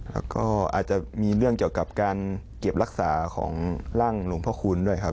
แล้วก็อาจจะมีเรื่องเกี่ยวกับการเก็บรักษาของร่างหลวงพระคุณด้วยครับ